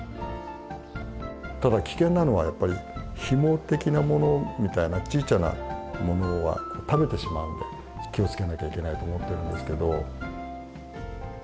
ただ危険なのはやっぱりひも的なものみたいなちいちゃなものは食べてしまうので気を付けなきゃいけないと思ってるんですけど。